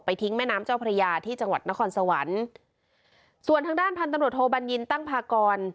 ทิ้งแม่น้ำเจ้าพระยาที่จังหวัดนครสวรรค์ส่วนทางด้านพันธุ์ตำรวจโทบัญญินตั้งพากร